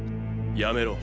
やめろ。